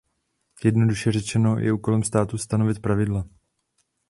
Jednoduše řečeno je úkolem státu stanovit pravidla.